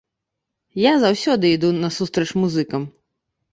Я заўсёды іду насустрач музыкам.